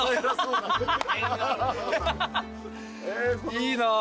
いいなぁ。